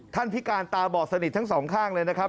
ท่านพิการตาบอสนิททั้ง๒ข้างเลยนะครับ